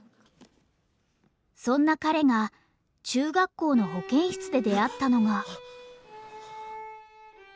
そんな彼が中学校の保健室で出会ったのが。